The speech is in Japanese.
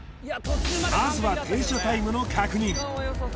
まずは停車タイムの確認